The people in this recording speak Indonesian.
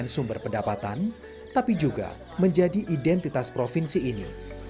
sumber pendapatan tapi juga menjadi identitas provinsi ini